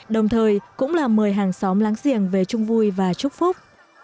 đồng thời cũng là mời hàng xóm láng giềng về chung vui và chúc phúc